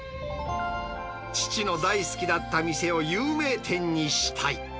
父の大好きだった店を有名店にしたい。